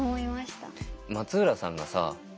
松浦さんがさ